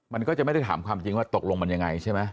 มันก็จะไม่ได้ถามความจริงว่าตกลงมันยังไงใช่ไหม